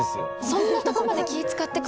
そんなとこまで気遣ってくれるの？